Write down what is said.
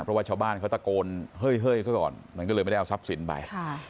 เพราะว่าชาวบ้านเขาตะโกนเฮ้ยซะก่อนมันก็เลยไม่ได้เอาทรัพย์สินไป